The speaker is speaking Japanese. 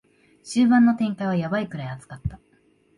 終盤の展開はヤバいくらい熱かった